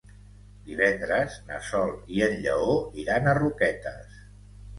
Divendres na Sol i en Lleó iran a Roquetes.